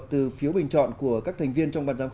thì vẫn có thể